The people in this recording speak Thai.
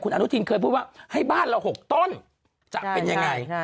อนุทินเคยพูดว่าให้บ้านเรา๖ต้นจะเป็นยังไง